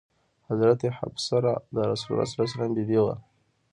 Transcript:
حضرت حفصه د رسول الله بي بي وه.